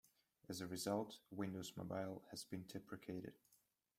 As a result, Windows Mobile has been deprecated.